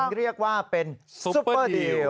เรียกว่าเป็นซุปเปอร์ดีล